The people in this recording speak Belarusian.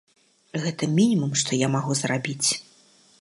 Гэта мінімум, што я магу зрабіць.